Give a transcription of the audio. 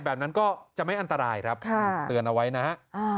แบบนั้นก็จะไม่อันตรายครับเตือนเอาไว้นะฮะ